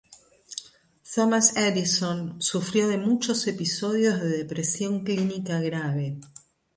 Thomas Addison sufrió de muchos episodios de depresión clínica grave.